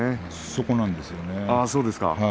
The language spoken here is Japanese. そこなんですよね。